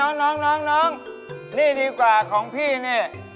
น้องน้องนี่ดีกว่าของพี่นี่